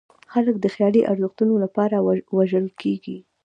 خلک د خیالي ارزښتونو لپاره وژل کېږي.